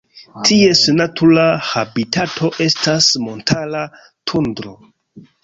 Ties natura habitato estas montara tundro.